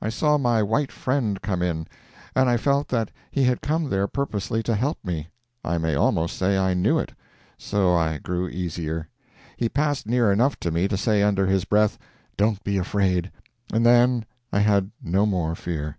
I saw my white friend come in, and I felt that he had come there purposely to help me. I may almost say I knew it. So I grew easier. He passed near enough to me to say under his breath, "Don't be afraid," and then I had no more fear.